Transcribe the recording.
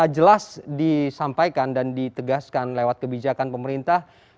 jelas disampaikan dan ditegaskan lewat kebijakan pemerintah